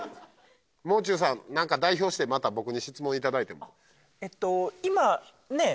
もう中さん何か代表してまた僕に質問いただいても今ねえ